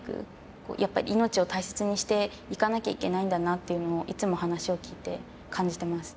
やっぱり命を大切にしていかなきゃいけないんだなっていうのをいつも話を聞いて感じてます。